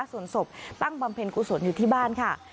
ส่วนศพตั้งบำเพ็ญกุศลอยู่ที่บ้านค่ะ